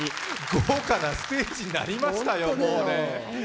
豪華なステージになりましたよ。